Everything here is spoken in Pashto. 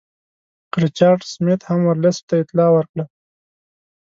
ریچارډ سمیت هم ورلسټ ته اطلاع ورکړه.